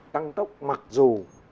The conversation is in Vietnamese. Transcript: tăng tốc mặc dù